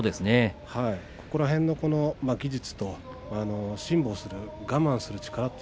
ここら辺の技術と辛抱する、我慢する力